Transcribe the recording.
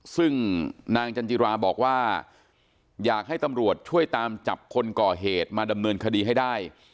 ซึ่งนางจันจิราบอกว่าอยากให้ตำรวจช่วยตามจับคนก่อเหตุมาดำเนินคดีให้ได้